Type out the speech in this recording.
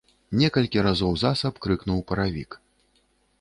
Некалькі разоў засаб крыкнуў паравік.